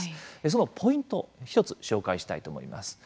そのポイントを１つ紹介したいと思います。